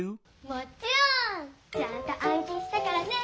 もちろん！ちゃんとあん記したからね！